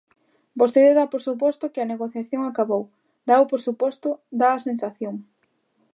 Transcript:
Vostede dá por suposto que a negociación acabou; dáo por suposto, dá a sensación.